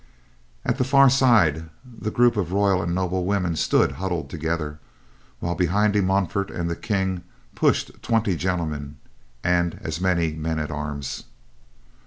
At the far side, the group of royal and noble women stood huddled together, while behind De Montfort and the King pushed twenty gentlemen and as many men at arms.